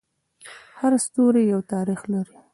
هر ستوری یو تاریخ لري.